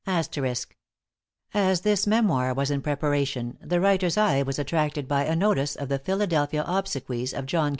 As this memoir was in preparation, the writer's eye was attracted by a notice of the Philadelphia obsequies of John Q.